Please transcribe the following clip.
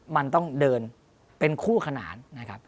มันต้องเดินเป็นคู่ขนาร